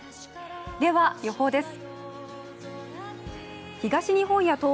では予報です。